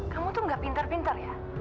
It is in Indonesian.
kamu tuh nggak pintar pintar ya